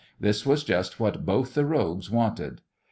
This was just what both the rogues wanted.